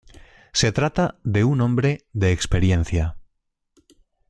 Se trata de un hombre de experiencia.